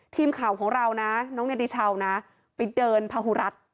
ทีมข่าวของเรานะน้องเนติชาวนะไปเดินพาหุรัตน์